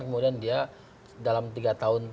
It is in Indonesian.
kemudian dia dalam tiga tahun